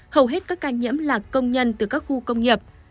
hầu hết các ca nhiễm là công nhân từ các khu công nghiệp